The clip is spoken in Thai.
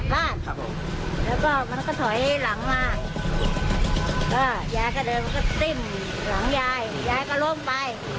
ก็ยายก็เดินมันก็ติ้นหลังยายยายก็ลงไป